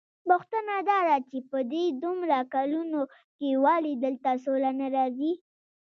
پوښتنه داده چې په دې دومره کلونو کې ولې دلته سوله نه راځي؟